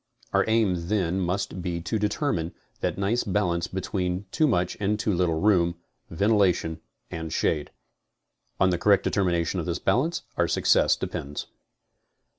Our aim then must be to determine that nice balance between too much and too little room, ventilation and shade. On the correct determination of this balance our success depends.